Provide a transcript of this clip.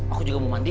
aku juga mau mandi